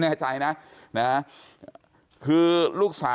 ความปลอดภัยของนายอภิรักษ์และครอบครัวด้วยซ้ำ